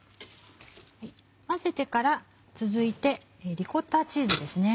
混ぜてから続いてリコッタチーズです。